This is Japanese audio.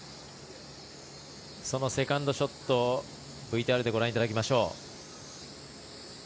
そのセカンドショットをＶＴＲでご覧いただきましょう。